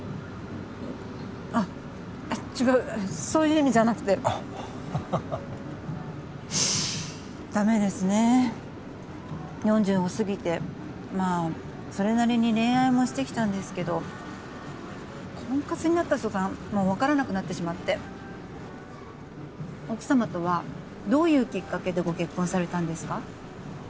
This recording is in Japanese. あっ違うそういう意味じゃなくてダメですね４０をすぎてまあそれなりに恋愛もしてきたんですけど婚活になったとたんもう分からなくなってしまって奥様とはどういうきっかけでご結婚されたんですか？